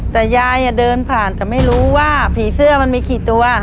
แต่ยายเดินผ่านแต่ไม่รู้ว่าผีเสื้อมันมีกี่ตัว